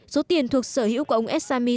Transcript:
số tiền thuộc sở hữu của ông al assami